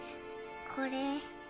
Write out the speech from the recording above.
これ。